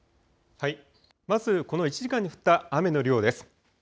まずこの１時間に降った雨の量です。